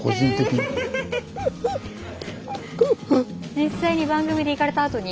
実際に番組で行かれたあとに？